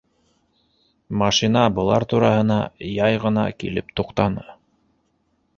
Машина былар тураһына яй ғына килеп туҡтаны.